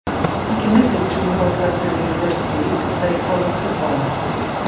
He committed to Northwestern University to play college football.